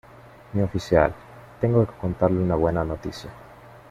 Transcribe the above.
mi oficial, tengo que contarle una buena noticia.